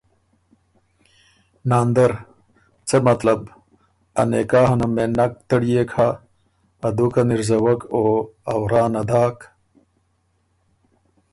ناندر: څۀ مطلب ا نکاحه نه مېن نک تړيېک هۀ، ا دُوکه ن اِر زوَک او ا ورا نه داک؟